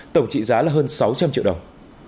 tổng trị giá là hơn sáu trăm linh triệu đồng